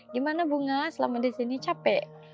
gimana bunga selama disini capek